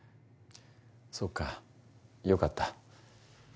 そっか良かった。